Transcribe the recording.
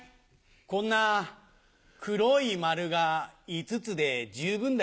こんな黒い丸が５つで十分だよな。